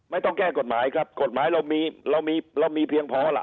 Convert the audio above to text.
ไม่ต้องแก้กฎหมายครับกฎหมายเรามีเรามีเพียงพอล่ะ